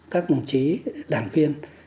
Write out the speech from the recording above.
các đồng chí đảng viên